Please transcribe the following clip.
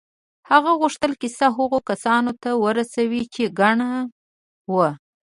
هغه غوښتل کیسه هغو کسانو ته ورسوي چې کڼ وو